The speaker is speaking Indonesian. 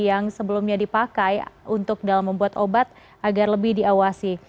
yang sebelumnya dipakai untuk dalam membuat obat agar lebih diawasi